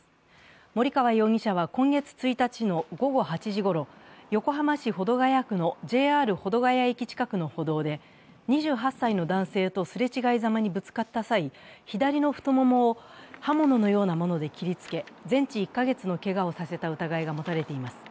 森川容疑者は今月１日の午後８時ごろ横浜市保土ケ谷区のＪＲ保土ケ谷駅近くの歩道で２８歳の男性とすれ違いざまにぶつかった際、左の太ももを刃物のようなもので切りつけ全治１か月のけがをさせた疑いが持たれています。